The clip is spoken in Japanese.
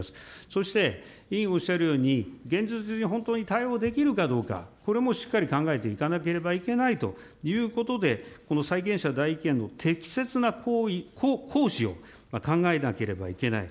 そして委員おっしゃるように、現実に本当に対応できるかどうか、これもしっかり考えていかなければいけないということで、この債権者代位権の適切な行使を考えなければいけない。